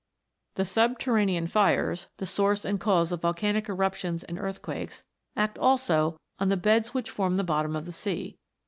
The subterranean fires, the source and cause of volcanic eruptions and earthquakes, act also on the beds which form the bottom of the sea.